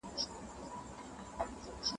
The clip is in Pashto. تاسو کیلې په خلاص ځای کې وساتئ ترڅو تورې نشي.